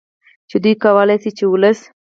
چې دوی کولې شي چې ولس